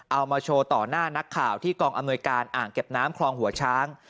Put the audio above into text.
เอามาโชว์ต่อหน้านักข่าวที่กองอำนวยการอ่างเก็บน้ำคลองหัวช้าง